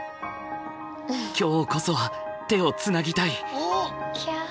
今日こそは手をつなぎたい！